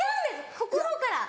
心から！